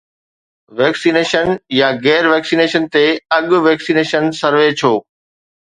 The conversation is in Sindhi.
ويڪسينيشن يا غير ويڪسينيشن تي اڳ-ويڪسينيشن سروي ڇو؟